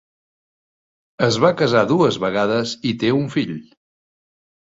Es va casar dues vegades i té un fill.